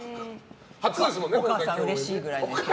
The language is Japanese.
お母さん、うれしいくらいの。